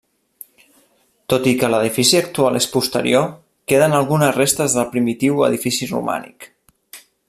Tot i que l'edifici actual és posterior, queden algunes restes del primitiu edifici romànic.